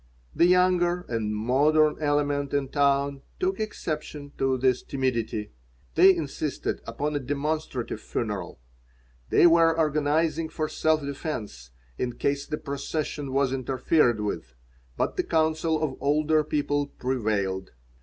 The younger and "modern" element in town took exception to this timidity. They insisted upon a demonstrative funeral. They were organizing for self defense in case the procession was interfered with, but the counsel of older people prevailed.